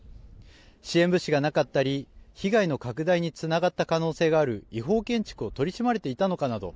支援物資がなかったり被害の拡大につながった可能性がある違法建築を取り締まれていたのかなど